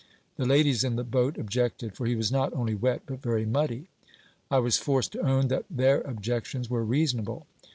The ladies in the boat objected, for he was not only wet but very muddy. I was forced to own that their objections were reasonable.